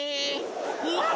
うわっ！